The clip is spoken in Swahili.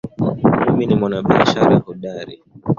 Mimi ni mwanabiashara hodari